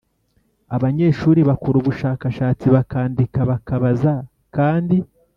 Abanyeshuri bakora ubushakashatsi, bakandika, bakabaza kandi